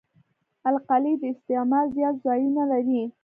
القلي د استعمال زیات ځایونه لري.